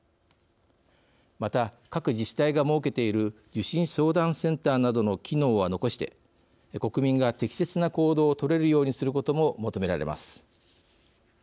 また、各自治体が設けている受診・相談センターなどの機能は残して国民が適切な行動を取れるようにすることも求められます。